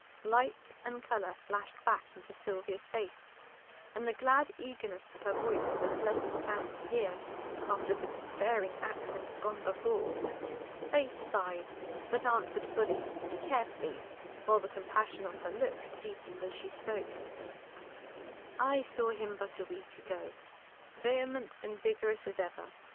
Light and color flashed back into Sylvia's face, and the glad eagerness of her voice was a pleasant sound to hear after the despairing accents gone before. Faith sighed, but answered fully, carefully, while the compassion of her look deepened as she spoke. "I saw him but a week ago, vehement and vigorous as ever.